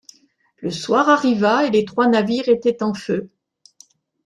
Le soir arriva et les trois navires étaient en feu.